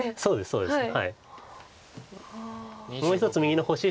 そうですね。